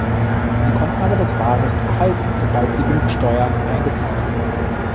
Sie konnten aber das Wahlrecht erhalten, sobald sie genug Steuern eingezahlt hatten.